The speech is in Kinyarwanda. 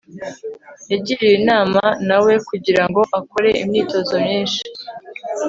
yagiriwe inama na we kugira ngo akore imyitozo myinshi